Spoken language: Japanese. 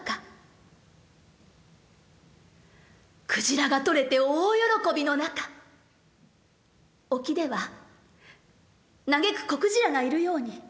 クジラが取れて大喜びの中沖では嘆く子クジラがいるように。